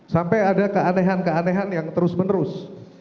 sampai ada keanehan keanehan yang terus menerus